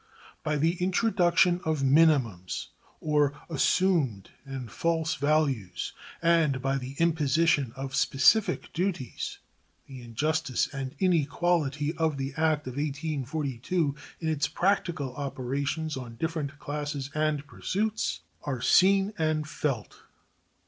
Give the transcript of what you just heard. By the introduction of minimums, or assumed and false values, and by the imposition of specific duties the injustice and inequality of the act of 1842 in its practical operations on different classes and pursuits are seen and felt.